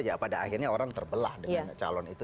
ya pada akhirnya orang terbelah dengan calon itu